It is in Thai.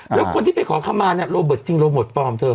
แล้วคนที่ไปขอคำมาเนี่ยโรเบิร์ตจริงโรเบิร์ตปลอมเธอ